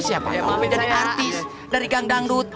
siapa tahu menjadi artis dari gang dangdut